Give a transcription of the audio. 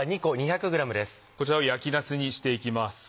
こちらを焼きなすにしていきます。